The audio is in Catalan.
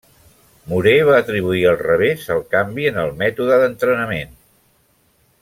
Murer va atribuir el revés al canvi en el mètode d'entrenament.